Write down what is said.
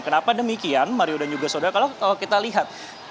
kenapa demikian mario dan juga saudara kalau kita lihat